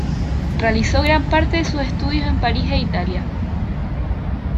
Realizó gran parte de sus estudios en París e Italia.